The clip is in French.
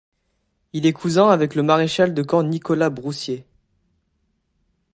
Il est cousin avec le maréchal de camp Nicolas Broussier.